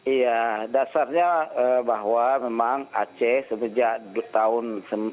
iya dasarnya bahwa memang aceh semenjak tahun seribu sembilan ratus sembilan puluh